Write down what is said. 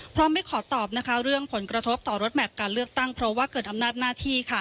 ไม่ขอตอบนะคะเรื่องผลกระทบต่อรถแมพการเลือกตั้งเพราะว่าเกิดอำนาจหน้าที่ค่ะ